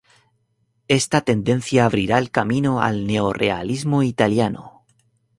Esta tendencia abrirá el camino al neorrealismo italiano.